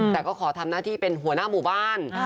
แต่ก็ขอทำหน้าที่เป็นหัวหน้าหมู่บ้าน